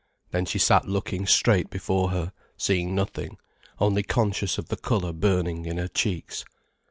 Then she sat looking straight before her, seeing nothing, only conscious of the colour burning in her cheeks.